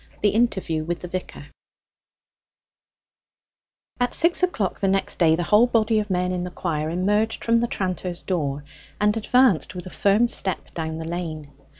THE INTERVIEW WITH THE VICAR At six o'clock the next day, the whole body of men in the choir emerged from the tranter's door, and advanced with a firm step down the lane.